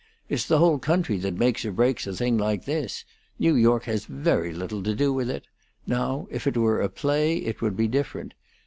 It's the whole country that makes or breaks a thing like this; New York has very little to do with it. Now if it were a play, it would be different.